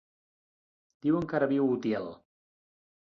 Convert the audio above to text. Diuen que ara viu a Utiel.